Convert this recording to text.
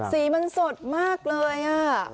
สีมันสดมากเลย